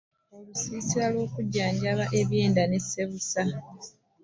Olusisira lwokujanujaba ebyenda ne ssebusa .